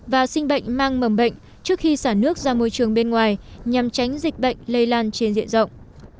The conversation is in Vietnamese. và sinh bệnh mang mầm bệnh trước khi xả nước ra môi trường bên ngoài nhằm tránh dịch bệnh lây lan trên diện rộng